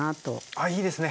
あいいですね。